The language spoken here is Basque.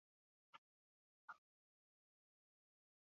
Hamalau eleberri eta hainbat olerki liburu eta saiakera argitaratu ditu.